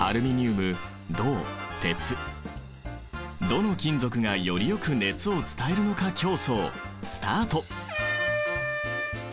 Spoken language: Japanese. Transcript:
どの金属がよりよく熱を伝えるのか競争スタート！